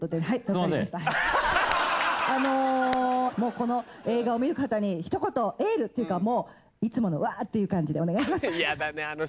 この映画を見る方にひと言エールっていうかいつものわ！っていう感じでお願いします。